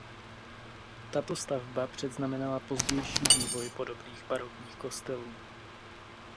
Tato stavba předznamenala pozdější vývoj podobných barokních kostelů.